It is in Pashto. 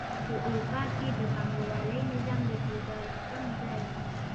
په اروپا کې د پانګوالۍ نظام د فیوډالیزم ځای ونیو.